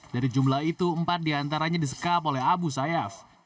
dari jumlah itu empat diantaranya disekap oleh abu sayyaf